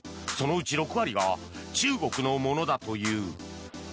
そのうち６割が中国のものだという。